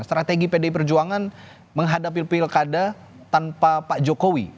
strategi pdi perjuangan menghadapi pilkada tanpa pak jokowi